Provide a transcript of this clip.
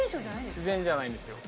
自然じゃないんですよ。